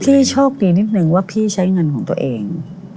พี่โชคดีนิดนึงว่าพี่ใช้เงินของตัวเอง